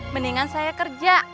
mendingan saya kerja